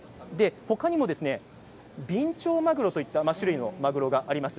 他にもビンチョウマグロといった種類のマグロがあります。